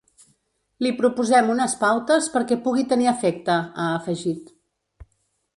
Li proposem unes pautes perquè pugui tenir efecte, ha afegit.